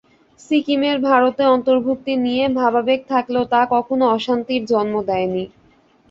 সিকিমের ভারতে অন্তর্ভুক্তি নিয়ে ভাবাবেগ থাকলেও তা কখনো অশান্তির জন্ম দেয়নি।